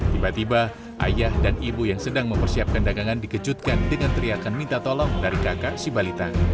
tiba tiba ayah dan ibu yang sedang mempersiapkan dagangan dikejutkan dengan teriakan minta tolong dari kakak si balita